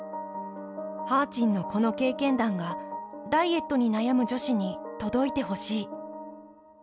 はーちんのこの経験談が、ダイエットに悩む女子に届いてほしい。